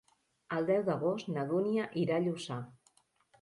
El deu d'agost na Dúnia irà a Lluçà.